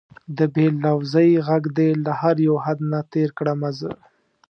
د بې لوظۍ غږ دې له هر یو حد نه تېر کړمه زه